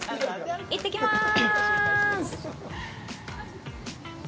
行ってきます！